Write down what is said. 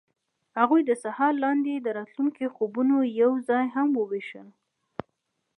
هغوی د سهار لاندې د راتلونکي خوبونه یوځای هم وویشل.